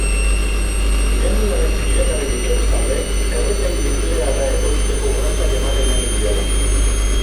Iraniarrek iragarri dute bestalde errekai nuklearra ekoizteko urratsak ematen ari direla.